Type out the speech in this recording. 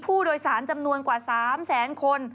ผู้โดยสารจำนวนกว่า๓แสนคน